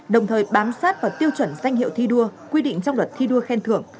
đồng thời bám sát vào tiêu chuẩn danh hiệu thi đua quy định trong luật thi đua khen thưởng